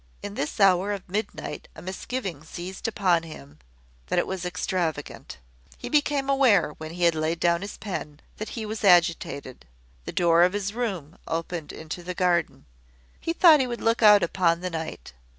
In this hour of midnight a misgiving seized upon him that it was extravagant. He became aware, when he laid down his pen, that he was agitated. The door of his room opened into the garden. He thought he would look out upon the night.